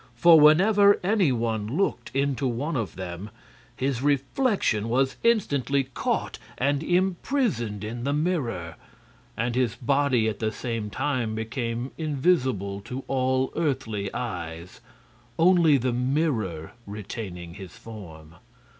For whenever any one looked into one of them his reflection was instantly caught and imprisoned in the mirror, and his body at the same time became invisible to all earthly eyes, only the mirror retaining his form.